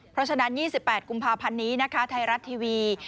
เพราะฉะนั้น๒๘กุมภาพันธ์นี้นะคะไทยรัฐทีวี